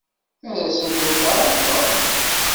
Ad sen-tent-tɛeṛḍem?